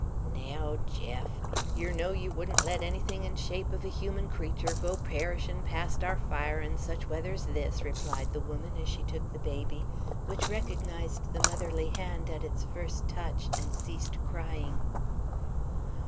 "Naow, Jeff, yer know yer wouldn't let ennythin' in shape ev a human creetur go perishin' past aour fire sech weather's this," replied the woman, as she took the baby, which recognized the motherly hand at its first touch, and ceased crying.